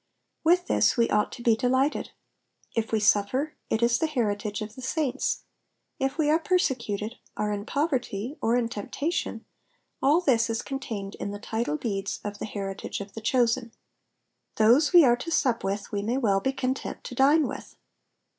With this we ought to be delighted. If we suffer, it is the heritage of the saints ; if we are persecuted, are in poverty, or in temptation, all this is contained in the title deeds of the heritage of the chosen. Those we are to sup with we may well be content to dine with.